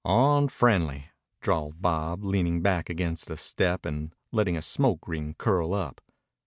"Onfriendly!" drawled Bob, leaning back against the step and letting a smoke ring curl up.